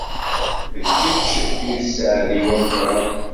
D kečč i d sseɛd-iw ameqwran.